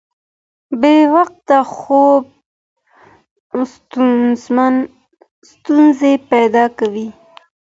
بې وخته خوب ستونزې پیدا کوي.